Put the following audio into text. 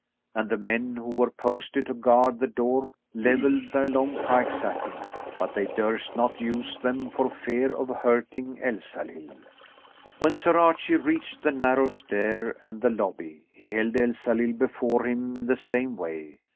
And the men who were posted to guard the door levelled their long pikes at him, but they durst not use them for fear of hurting Elsalill. When Sir Archie reached the narrow stair and the lobby, he held Elsalill before him in the same way.